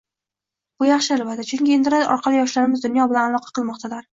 Bu yaxshi albatta, chunki internet orqali yoshlarimiz dunyo bilan aloqa qilmoqdalar